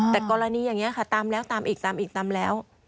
แต่กรณีอย่างนี้ค่ะตามแล้วตามอีกตามอีกตามแล้ว